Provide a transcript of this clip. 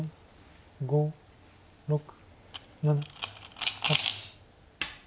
５６７８。